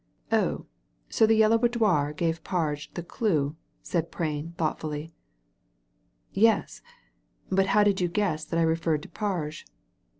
« Oh I So the Yellow Boudoir gave Parge the due," said Prain, thoughtfully. " Yes I But how did you guess that I referred to Parge?"